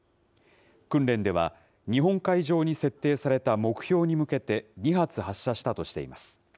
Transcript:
訓練では、日本海上に設定された目標に向けて、２発発射したとしています。